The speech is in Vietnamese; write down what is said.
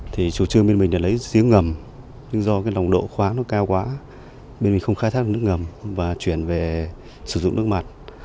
thì chủ trương bên mình để lấy xíu ngầm nhưng do cái lòng độ khoáng nó cao quá bên mình không khai thác được nước ngầm và chuyển về sử dụng nước mặt